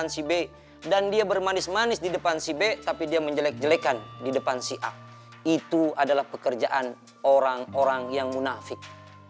sekarang aja aku udah takut